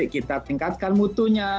kita tingkatkan mutunya